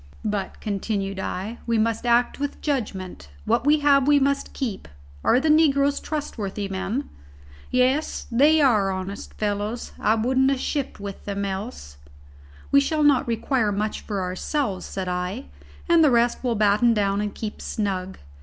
"But," continued I, "we must act with judgment. What we have we must keep. Are the negroes trustworthy men?" "Yes, they are honest fellows. I wouldn't have shipped with them else." "We shall not require much for ourselves," said I, "and the rest we'll batten down and keep snug.